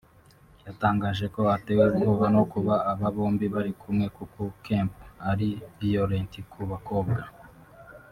yatangaje ko atewe ubwoba no kuba aba bombi bari kumwe kuko Kemp ari violent ku bakobwa